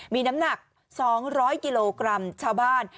มีน้ำหนัก๒๐๐กิโลกรัมชาวบ้าน